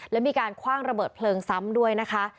และมีการคว่างระเบิดเพลิงซ้ำด้วยนะคะ